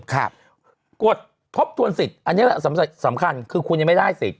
กฎทบทวนสิทธิ์อันนี้แหละสำคัญคือคุณยังไม่ได้สิทธิ